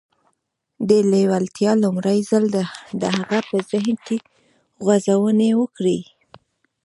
دې لېوالتیا لومړی ځل د هغه په ذهن کې غځونې وکړې.